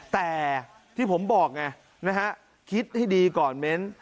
แต่ที่ผมบอกไงนะฮะคิดให้ดีก่อนเม้น